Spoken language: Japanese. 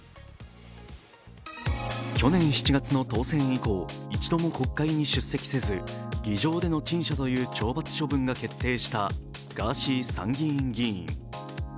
去年７月の当選以降、一度も国会に出席せず議場での陳謝という懲罰処分が決定したガーシー参議院議員。